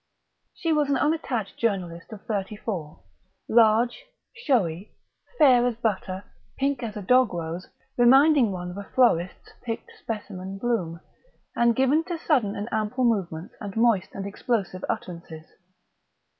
She was an unattached journalist of thirty four, large, showy, fair as butter, pink as a dog rose, reminding one of a florist's picked specimen bloom, and given to sudden and ample movements and moist and explosive utterances.